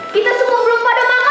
kita semua belum pada tangan